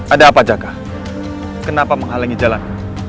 ada apa jaka kenapa menghalangi jalan